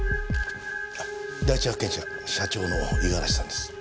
第一発見者社長の五十嵐さんです。